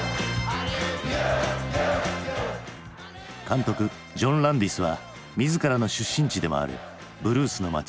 監督ジョン・ランディスは自らの出身地でもあるブルースの街